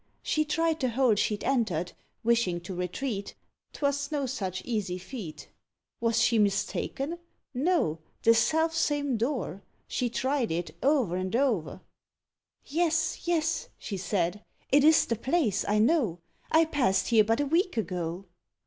She tried the hole she'd entered, wishing to retreat; 'Twas no such easy feat. Was she mistaken? no, the selfsame door: She tried it, o'er and o'er. "Yes, yes," she said, "it is the place, I know; I passed here but a week ago."